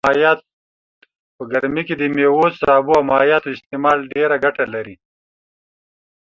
په ګرمي کي دميوو سابو او مايعاتو استعمال ډيره ګټه لرئ